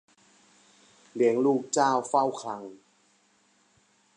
เลี้ยงลูกเจ้าเฝ้าคลัง